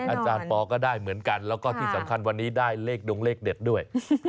อาจารย์ปอก็ได้เหมือนกันแล้วก็ที่สำคัญวันนี้ได้เลขดงเลขเด็ดด้วย